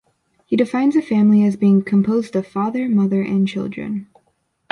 It defines a family as being "composed of father, mother and children".